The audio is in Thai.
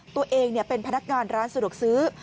ตัวเองเป็นพนักงานร้านสะดวกซื้อ